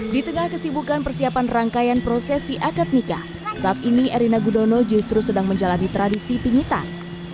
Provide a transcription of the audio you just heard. di tengah kesibukan persiapan rangkaian prosesi akad nikah saat ini erina gudono justru sedang menjalani tradisi pingitan